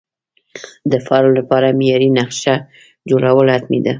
د فارم لپاره معیاري نقشه جوړول حتمي ده.